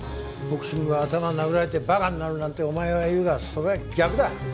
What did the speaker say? ボクシングは頭を殴られて馬鹿になるなんてお前は言うがそれは逆だ。